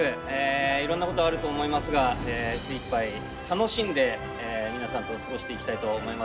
いろんなことあると思いますが精いっぱい楽しんで皆さんと過ごしていきたいと思います。